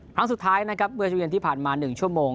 ครั้งสุดท้ายนะครับเมื่อช่วงเย็นที่ผ่านมา๑ชั่วโมง